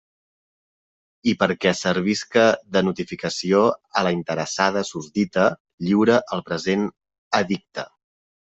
I perquè servisca de notificació a la interessada susdita, lliure el present edicte.